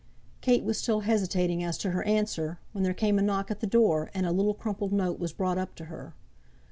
Kate was still hesitating as to her answer, when there came a knock at the door, and a little crumpled note was brought up to her.